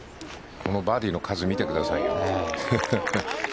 このバーディーの数見てください。